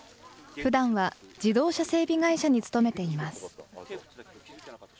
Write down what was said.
ふだんは自動車整備会社に勤めています。